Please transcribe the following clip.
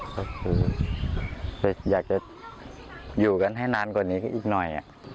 ก็คืออยากจะอยู่กันให้นานกว่านี้อีกหน่อย